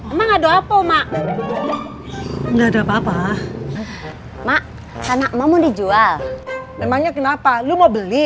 emang ada apa mak enggak ada apa apa mak anakmu dijual memangnya kenapa lu mau beli